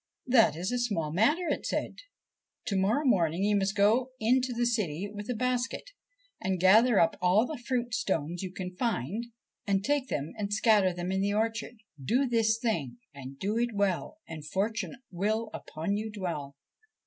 'That is a small matter,' it said. 'To morrow morning you must go into the city with a basket, and gather up all the fruit stones you can find, and take them and scatter them in the orchard. ' Do this thing and do it well, And fortune will upon you dwell.'